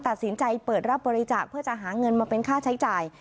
ตัดสินใจเปิดรับบริจาคเพื่อจะหาเงินมาเป็นค่าใช้จ่าย